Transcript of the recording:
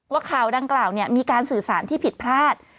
ว่าข่าวดังกล่าวมีการสื่อสารที่ผิดพลาด